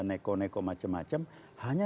neko neko macam macam hanya